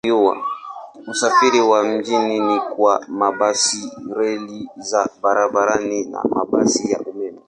Usafiri wa mjini ni kwa mabasi, reli za barabarani na mabasi ya umeme.